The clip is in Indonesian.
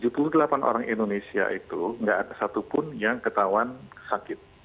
tujuh puluh delapan orang indonesia itu nggak ada satupun yang ketahuan sakit